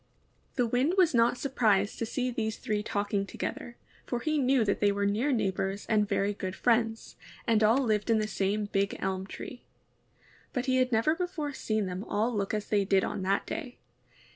pow THE WIND FIXED MATTERS. 159 The wind was not surprised to see these three talking together, for he knew that they were near neighbors and very good friends, and all lived in the same big elm tree; but he had never before seen them all look as they did on that day.